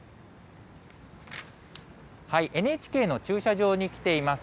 ＮＨＫの駐車場に来ています。